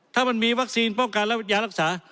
ถ้ามันมีวัคซีนป้องกันและยารักษา